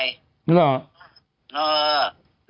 นี่เหรอ